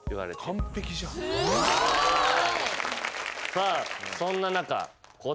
さあそんな中。